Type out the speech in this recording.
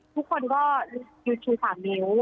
ทุกคนก็อยุ่งถอยอยู่ที่ฝั่งนิ้ว